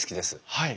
はい。